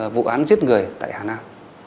vụ án giết người tại hà nam